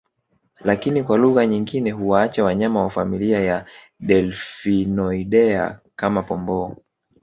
Lakini kwa lugha nyingine huwaacha wanyama wa familia ya Delphinoidea kama Pomboo